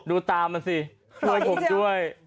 ดูตามมาซิโจ๋ยผมด้วย